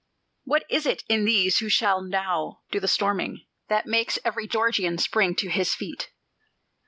What is it in these who shall now do the storming That makes every Georgian spring to his feet?